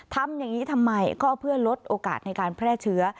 ทำอย่างนี้ทำไมก็เพื่อลดโอกาสในการแพร่เชื้อ